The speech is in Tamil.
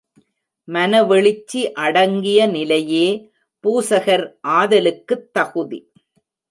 மனவெழுச்சி அடங்கிய நிலையே பூசகர் ஆதலுக்குத் தகுதி.